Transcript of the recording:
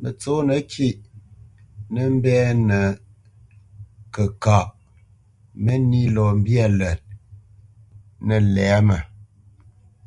Mətsǒnə kîʼ tə mbɛ́nə kəkaʼ, mə́nī lɔ mbyâ lət nə̂ lɛ̌mə.